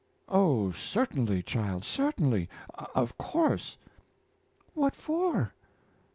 "Oh, certainly, child, certainly. Of course." "What for?"